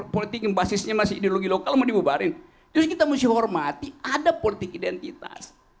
politik yang basisnya masih ideologi lokal mau dibubarin jadi kita mesti hormati ada politik identitas